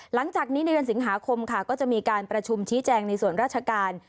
หลังจากนี้ในเดือนสิงหาคมค่ะก็จะมีการประชุมชี้แจงในส่วนราชการ